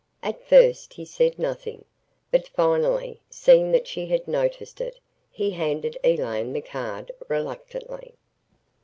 At first he said nothing. But finally, seeing that she had noticed it, he handed Elaine the card, reluctantly.